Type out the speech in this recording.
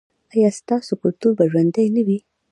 ایا ستاسو کلتور به ژوندی نه وي؟